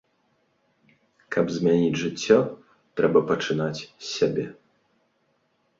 Каб змяніць жыццё, трэба пачынаць з сябе.